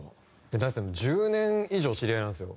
だってもう１０年以上知り合いなんですよ。